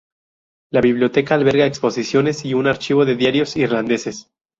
La biblioteca alberga exposiciones y un archivo de diarios irlandeses.